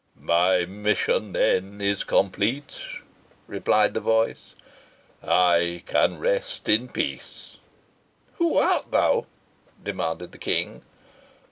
"My mission, then, is complete," replied the voice. "I can rest in peace.". "Who art thou?" demanded the King.